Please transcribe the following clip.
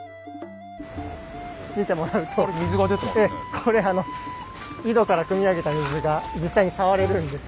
これあの井戸からくみ上げた水が実際に触れるんです。